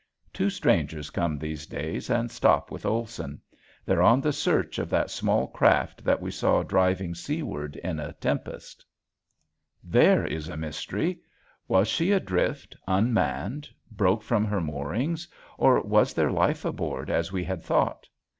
Two strangers come these days and stop with Olson. They're on the search of that small craft that we saw driving seaward in a tempest. [Illustration: THE DAY'S WORK] There is mystery! Was she adrift unmanned, broke from her moorings, or was there life aboard as we had thought?